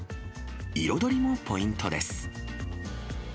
彩りもポイントです。